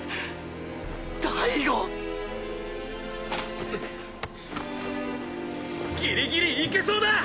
大吾ギリギリ行けそうだ！